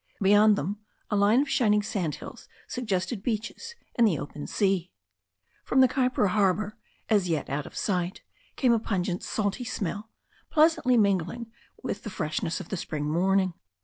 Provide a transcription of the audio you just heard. Beyond them a line of shining sandhills suggested beaches and the open sea. From the Kaipara harbour, as yet out of sight, came a pungent salty smell, pleasantly mingling with the freshness of the spring morning.